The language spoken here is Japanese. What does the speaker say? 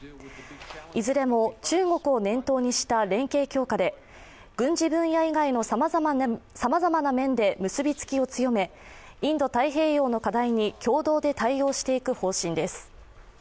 いずれも中国を念頭にした連携強化で、軍事分野以外のさまざまな面で結びつきを強め、インド太平洋の課題に共同で対応していく方針です。